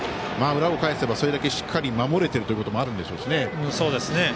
裏を返せば、それだけしっかり守れているということもあるんでしょうしね。